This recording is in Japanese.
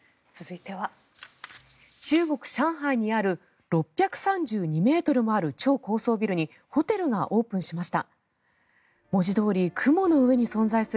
中国・上海にある６３２ｍもある超高層ビルにホテルがオープンしました。